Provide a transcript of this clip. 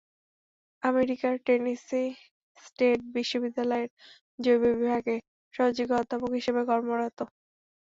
আমেরিকার Tennessee state বিশ্ববিদ্যালয়ের জৈব রসায়ন বিভাগে সহযোগী অধ্যাপক হিসেবে কর্মরত।